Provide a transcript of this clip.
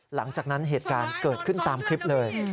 หลังจากนั้นเหตุการณ์เกิดขึ้นตามคลิปเลย